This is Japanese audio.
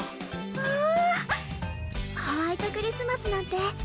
わあ！